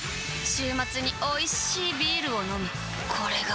週末においしいビールを飲むあたまらんっ